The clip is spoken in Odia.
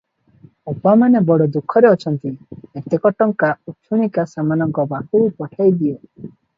ଅପାମାନେ ବଡ଼ ଦୁଃଖରେ ଅଛନ୍ତି, ଏତକ ଟଙ୍କା ଉଛୁଣିକା ସେମାନଙ୍କ ପାଖକୁ ପଠାଇ ଦିଅ ।"